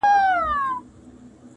حاکم وویل عرضونه پر سلطان کړه-